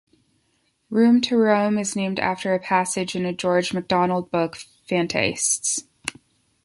"Room to Roam" is named after a passage in a George MacDonald book, "Phantastes".